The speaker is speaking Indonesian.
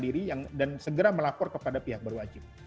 dan segera melapor kepada pihak berwajib